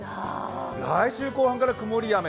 来週後半から曇り、雨。